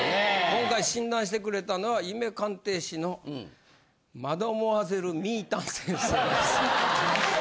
今回診断してくれたのは夢鑑定士のマドモアゼル・ミータン先生です。